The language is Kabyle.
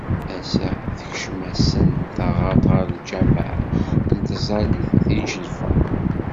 Assa tekcem-asen taɣaṭ ɣer lǧameɛ n tẓallit deg Ǧelfa.